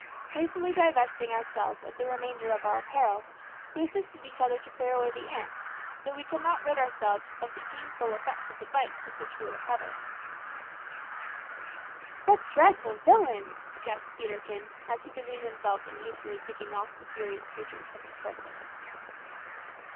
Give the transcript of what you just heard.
Hastily divesting ourselves of the remainder of our apparel, we assisted each other to clear away the ants, though we could not rid ourselves of the painful effects of the bites with which we were covered. "What dreadful villains!" gasped Peterkin, as he busied himself in hastily picking off the furious creatures from his person.